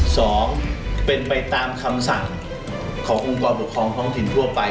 สองเป็นไปตามคำสั่งขององค์กรปกครองท้องถิ่นทั่วไป